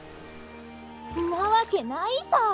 んなわけないさ。